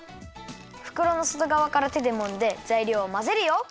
ふくろのそとがわからてでもんでざいりょうをまぜるよ！